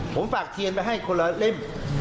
ผมฝากเทียนไปให้คุณละริม